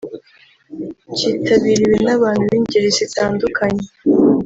cyitabiriwe n’abantu b’ingeri zitandukanye